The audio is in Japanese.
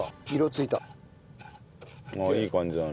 いい感じだね。